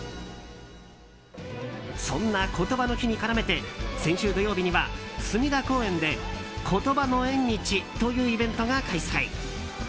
そんな、ことばの日に絡めて先週土曜日には隅田公園でことばの縁日というイベントが開催。